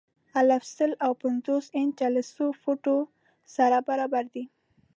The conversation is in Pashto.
الف: سل او پنځوس انچه له څو فوټو سره برابر دي؟